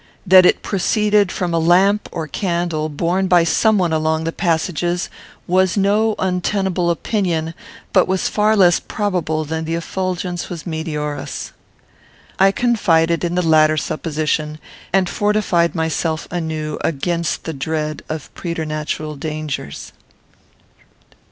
That it proceeded from a lamp or candle, borne by some one along the passages, was no untenable opinion, but was far less probable than that the effulgence was meteorous. I confided in the latter supposition, and fortified myself anew against the dread of preternatural dangers.